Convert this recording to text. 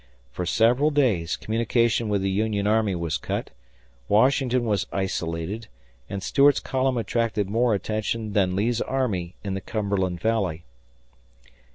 For several days communication with the Union army was cut, Washington was isolated, and Stuart's column attracted more attention than Lee's army in the Cumberland Valley.